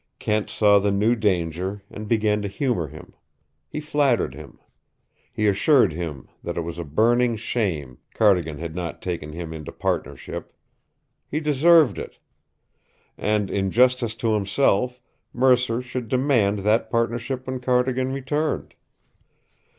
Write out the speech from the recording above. Kent saw the new danger and began to humor him. He flattered him. He assured him that it was a burning shame Cardigan had not taken him into partnership. He deserved it. And, in justice to himself, Mercer should demand that partnership when Cardigan returned.